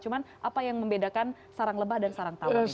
cuman apa yang membedakan sarang lebah dan sarang tawon ini